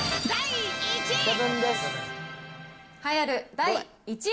第１位。